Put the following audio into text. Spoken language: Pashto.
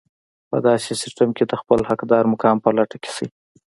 په داسې سيستم کې د خپل حقدار مقام په لټه کې شئ.